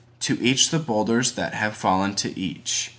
To each the boulders that have fallen to each.